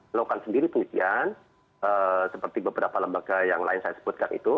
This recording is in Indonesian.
melakukan sendiri pengisian seperti beberapa lembaga yang lain saya sebutkan itu